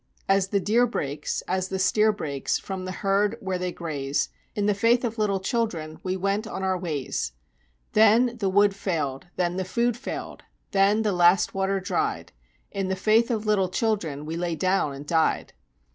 As the deer breaks as the steer breaks from the herd where they graze, In the faith of little children we went on our ways. Then the wood failed then the food failed then the last water dried In the faith of little children we lay down and died.